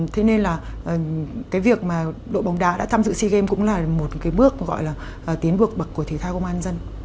thế nên là cái việc mà đội bóng đá đã tham dự sea games cũng là một cái bước gọi là tiến buộc bậc của thể thao công an dân